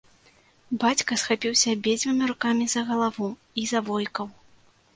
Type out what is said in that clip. Бацька схапіўся абедзвюма рукамі за галаву і завойкаў.